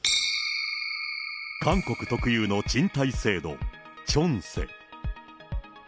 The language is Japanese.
韓国特有の賃貸制度、チョンセ。